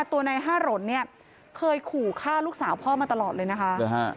ตัวนายห้าหล่นเนี่ยเคยขู่ฆ่าลูกสาวพ่อมาตลอดเลยนะคะหรือฮะ